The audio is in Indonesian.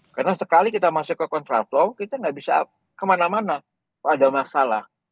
karena sekali kita masuk ke kontraflow kita tidak bisa kemana mana kalau ada masalah